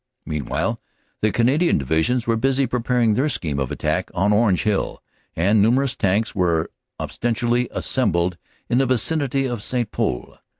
"Meanwhile the Canadian Divisions were busy preparing their scheme of attack on Orange Hill, and numerous Tanks were ostentatiously assembled in the vicinity of St. Pol.